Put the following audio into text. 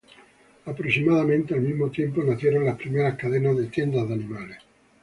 Aproximadamente al mismo tiempo, nacieron las primeras cadenas de tiendas de animales.